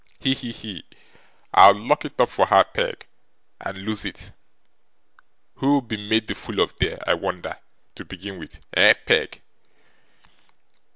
He, he, he! I'll lock it up for her, Peg, and lose it. Who'll be made the fool of there, I wonder, to begin with eh, Peg?